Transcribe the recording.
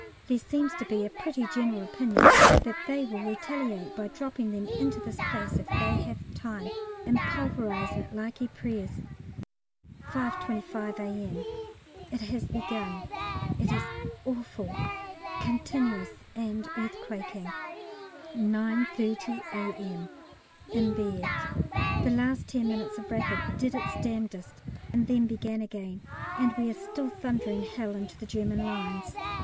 There seems to be a pretty general opinion that they will retaliate by dropping them into this place if they have time, and pulverising it like Ypres. 5.25 A.M. It has begun. It is awful continuous and earthquaking. 9.30 A.M. In bed. The last ten minutes of "Rapid" did its damnedest and then began again, and we are still thundering hell into the German lines.